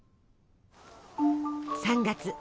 ３月。